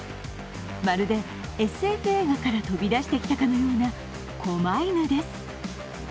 まるでＳＦ映画から飛び出してきたかのような狛犬です。